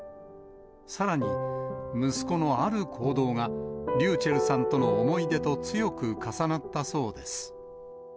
さらに、息子のある行動がｒｙｕｃｈｅｌｌさんとの思い出と強く重なったそうです。